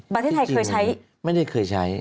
บัตรไทยเคยใช้